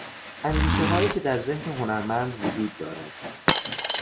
اندیشههایی که در ذهن هنرمند وجود دارد